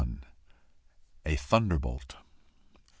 A THUNDERBOLT.